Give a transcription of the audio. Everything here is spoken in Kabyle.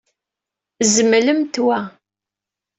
Zemlemt wa.